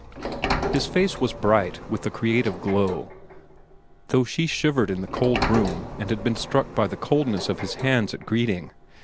'" His face was bright with the creative glow, though she shivered in the cold room and had been struck by the coldness of his hands at greeting.